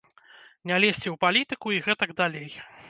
Не лезці ў палітыку і гэтак далей.